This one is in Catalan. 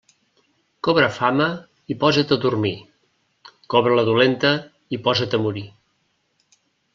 Cobra fama i posa't a dormir; cobra-la dolenta i posa't a morir.